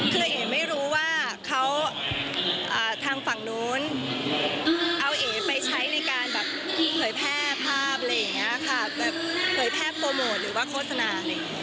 คือเอ๋ไม่รู้ว่าเขาทางฝั่งนู้นเอาแอไปใช้ในการเคยแพร่ภาพเคยแพร่โปรโมทหรือโฟสถัง